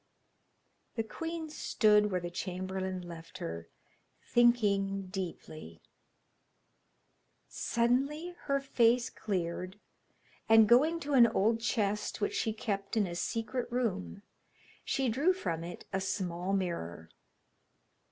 The queen stood where the chamberlain left her, thinking deeply. Suddenly her face cleared, and going to an old chest which she kept in a secret room, she drew from it a small mirror.